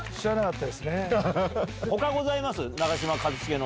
他ございます？